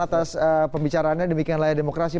atas pembicaraannya demikian layar demokrasi